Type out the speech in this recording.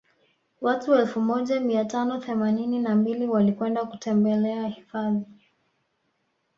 Watu elfu moja mia tano themanini na mbili walikwenda kutembela hifadhi